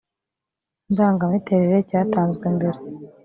ndangamiterere cyatanzwe mbere